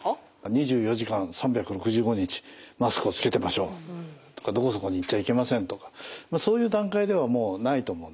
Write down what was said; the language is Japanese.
「２４時間３６５日マスクをつけてましょう」とか「どこそこに行っちゃいけません」とかそういう段階ではもうないと思うんですね。